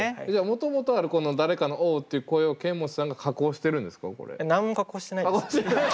もともとあるこの誰かの「おう」という声をケンモチさんが加工しているんですか？